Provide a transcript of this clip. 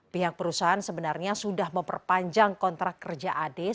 pihak perusahaan sebenarnya sudah memperpanjang kontrak kerja ade